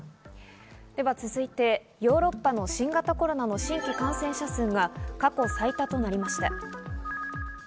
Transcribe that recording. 続いてヨーロッパの新型コロナの新規感染者数が過去最多となりました。